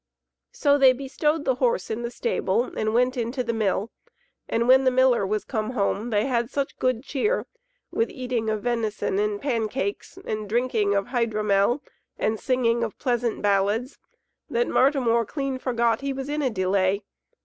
So they bestowed the horse in the stable, and went into the Mill; and when the miller was come home they had such good cheer with eating of venison and pan cakes, and drinking of hydromel, and singing of pleasant ballads, that Martimor clean forgot he was in a delay.